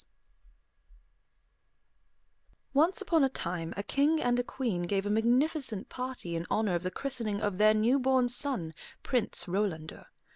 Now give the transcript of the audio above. ] Once upon a time a king and a queen gave a magnificent party in honor of the christening of their new born son, Prince Rolandor.